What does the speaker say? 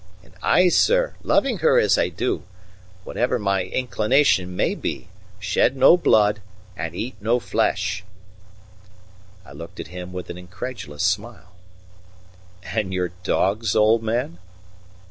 And I, sir, loving her as I do, whatever my inclination may be, shed no blood and eat no flesh." I looked at him with an incredulous smile. "And your dogs, old man?"